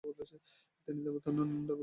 তিনি দেবতা নন, দানব নন, দেবদূতও নন।